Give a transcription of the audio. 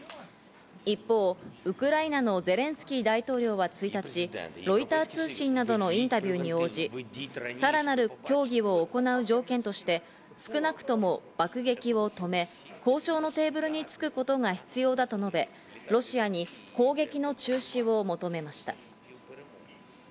一方、ウクライナのゼレンスキー大統領は１日、ロイター通信などのインタビューに応じ、さらなる協議を行う条件として少なくとも爆撃を止め、交渉のテーブルにつくことが必要だと述べ、ロシアに攻撃の中止を求めました。